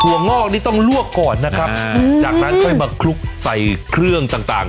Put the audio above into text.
วงอกนี่ต้องลวกก่อนนะครับจากนั้นค่อยมาคลุกใส่เครื่องต่างต่าง